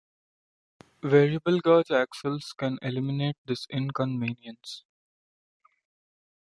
Variable-gauge axles can eliminate this inconvenience.